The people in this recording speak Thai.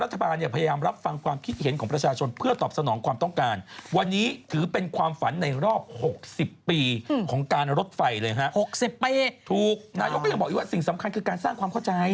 ถูกนายกก็ยังบอกอีกว่าสิ่งสำคัญคือการสร้างความเข้าใจ